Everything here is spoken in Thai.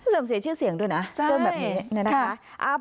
เสียชื่อเสียงด้วยนะเรื่องแบบนี้นะคะ